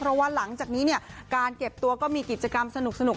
เพราะว่าหลังจากนี้เนี่ยการเก็บตัวก็มีกิจกรรมสนุก